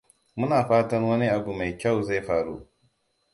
Muna fatan wani abu mai kyau zai faru.